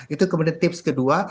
itu kemudian tips kedua